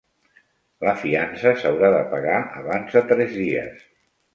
La fiança s'haurà de pagar abans de tres dies